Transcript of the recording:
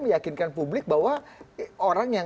meyakinkan publik bahwa orang yang